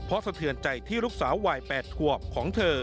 เพราะสะเทือนใจที่ลูกสาววัย๘ขวบของเธอ